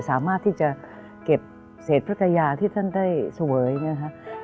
สามารถที่จะเก็บเศษพัทยาที่ท่านได้เสวยนะครับ